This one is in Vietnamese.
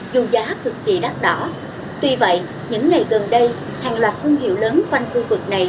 dù giá cực kỳ đắt đỏ tuy vậy những ngày gần đây hàng loạt thương hiệu lớn quanh khu vực này